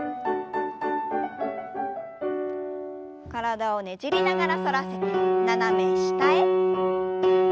体をねじりながら反らせて斜め下へ。